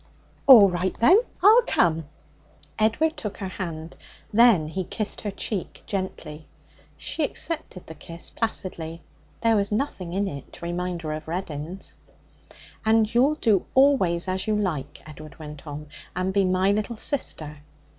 'All right, then; I'll come.' Edward took her hand; then he kissed her cheek gently. She accepted the kiss placidly. There was nothing in it to remind her of Reddin's. 'And you'll do always as you like,' Edward went on, 'and be my little sister.'